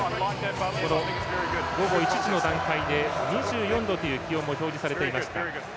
午後１時の段階で２４度という気温も表示されていました。